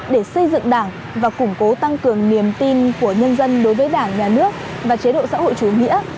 để xây dựng đảng và củng cố tăng cường niềm tin của nhân dân đối với đảng nhà nước và chế độ xã hội chủ nghĩa